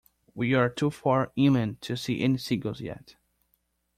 We're too far inland to see any seagulls yet.